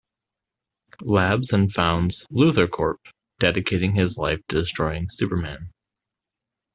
Labs and founds LuthorCorp, dedicating his life to destroying Superman.